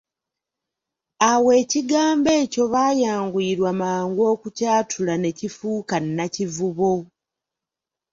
Awo ekigambo ekyo baayanguyirwa mangu okukyatula ne kifuuka Nakivubo.